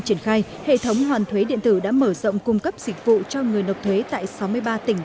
triển khai hệ thống hoàn thuế điện tử đã mở rộng cung cấp dịch vụ cho người nộp thuế tại sáu mươi ba tỉnh